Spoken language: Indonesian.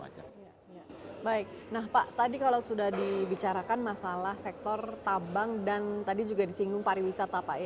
baik nah pak tadi kalau sudah dibicarakan masalah sektor tabang dan tadi juga disinggung pariwisata pak